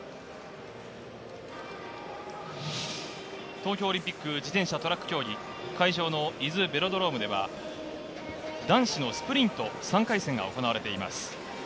東京オリンピック自転車トラック競技、会場の伊豆ベロドロームでは、男子のスプリント３回戦が行われています。